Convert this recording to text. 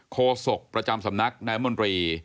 โศกประจำสำนักนายมนตรี